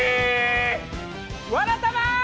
「わらたま」。